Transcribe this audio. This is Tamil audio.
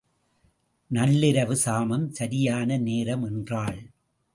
நள்ளிரவு, சாமம் சரியான நேரம் என்றாள்.